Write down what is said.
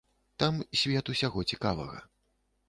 Там свет усяго цікавага.